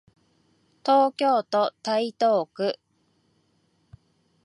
東京都台東区